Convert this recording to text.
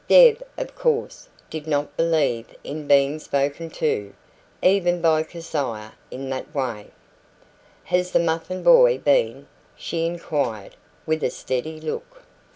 Deb, of course, did not believe in being spoken to, even by Keziah, in that way. "Has the muffin boy been?" she inquired, with a steady look.